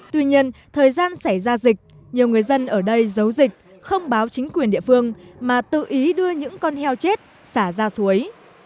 tuy nhiên thời gian xảy ra dịch nhiều người dân ở đây giấu dịch không báo chính quyền địa phương mà tự ý đưa những con heo chết xả ra suối